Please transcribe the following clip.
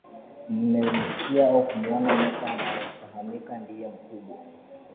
mmemsikia au kumuona nyoka anayefahamika ndiye mkubwa